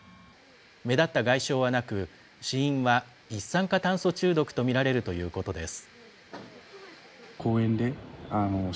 目立った外傷はなく、死因は一酸化炭素中毒と見られるということです。